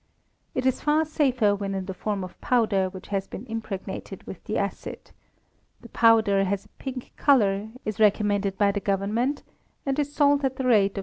It is far safer when in the form of powder which has been impregnated with the acid. The powder has a pink colour, is recommended by the Government, and is sold at the rate of 2d.